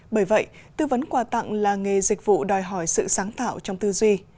bởi vậy tư vấn quà tặng là nghề dịch vụ đòi hỏi sự sáng tạo trong tư duy